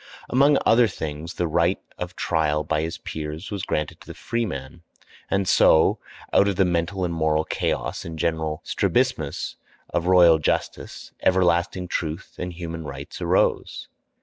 Among other things the right of trial by his peers was granted to the freeman; and so, out of the mental and moral chaos and general strabismus of royal justice, everlasting truth and human rights arose.